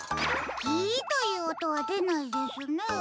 「ぎい」というおとはでないですね。